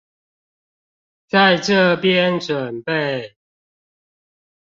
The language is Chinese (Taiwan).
在這邊準備